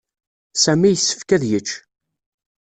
Sami yessefk ad yečč.